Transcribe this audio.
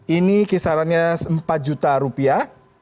ini kisarannya rp empat juta